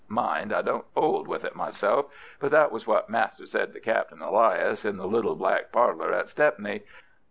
Mind I don't 'old with it myself, but that was what master said to Captain Elias in the little back parlour at Stepney.